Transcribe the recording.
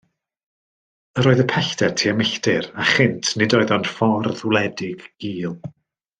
Yr oedd y pellter tua milltir, a chynt nid oedd ond ffordd wledig, gul.